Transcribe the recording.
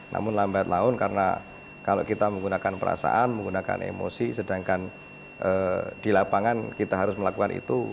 namun lambat laun karena kalau kita menggunakan perasaan menggunakan emosi sedangkan di lapangan kita harus melakukan itu